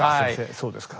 そうですか。